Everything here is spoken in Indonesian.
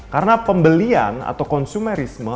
karena pembelian atau konsumerisme